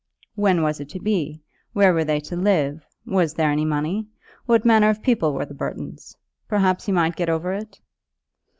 When was it to be? Where were they to live? Was there any money? What manner of people were the Burtons? Perhaps he might get over it?